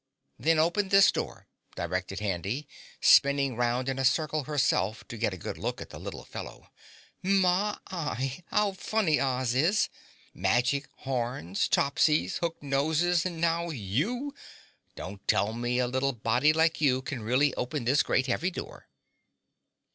"Then open this door," directed Handy, spinning round in a circle herself to get a good look at the little fellow. "My y, how funny Oz is! Magic horns, Topsies, Hook Noses and now you! Don't tell me a little body like you can really open this great heavy door?"